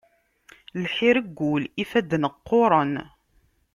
Lḥir deg ul, ifadden qquṛen.